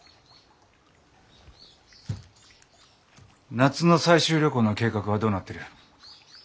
夏の採集旅行の計画はどうなってる？